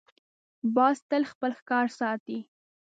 باز تل خپل ښکار ساتي